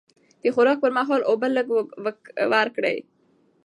د خوراک پر مهال اوبه لږ ورکړئ.